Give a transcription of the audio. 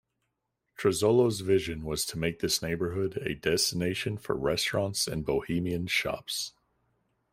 Trozzolo's vision was to make this neighborhood a destination for restaurants and bohemian shops.